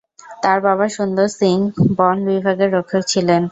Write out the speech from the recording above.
তাঁর বাবা সুন্দর সিং বন বিভাগের রক্ষক ছিলেন।